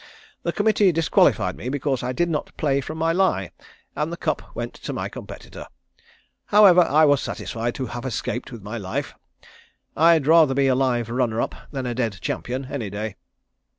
The committee disqualified me because I did not play from my lie and the cup went to my competitor. However, I was satisfied to have escaped with my life. I'd rather be a live runner up than a dead champion any day."